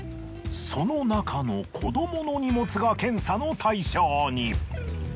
その中の子どもの荷物が検査の対象に。